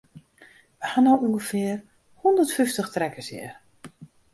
We ha no ûngefear hondert fyftich trekkers hjir.